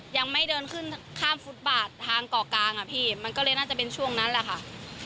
ยังไม่เดินขึ้นข้ามฟุตบาททางเกาะกลางอ่ะพี่มันก็เลยน่าจะเป็นช่วงนั้นแหละค่ะ